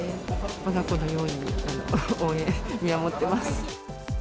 わが子のように応援、見守ってます。